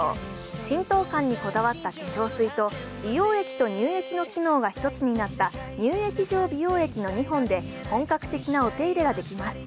浸透感にこだわった化粧水と美容液と乳液の機能が１つになった乳液状美容液の２本で本格的なお手入れができます。